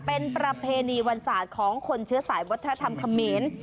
เป็นประเพณีวันศาสตร์ของคนเชื้อสายวัฒนธรรมเขมร